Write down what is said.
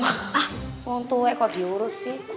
ah orang tua kok diurus sih